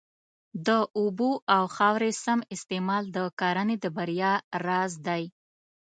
د اوبو او خاورې سم استعمال د کرنې د بریا راز دی.